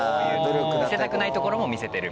見せたくないところも見せてる。